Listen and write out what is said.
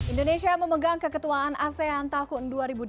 indonesia memegang keketuaan asean tahun dua ribu dua puluh